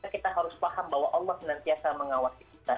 kita harus paham bahwa allah senantiasa mengawasi kita